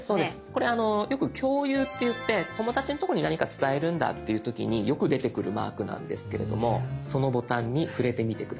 これよく「共有」っていって友達のとこに何か伝えるんだっていう時によく出てくるマークなんですけれどもそのボタンに触れてみて下さい。